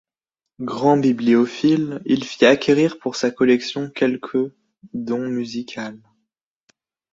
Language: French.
Grand bibliophile, il fit acquérir pour sa collection quelque dont musicales.